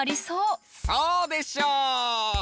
そうでしょう！